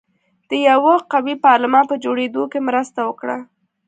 د یوه قوي پارلمان په جوړېدو کې مرسته وکړه.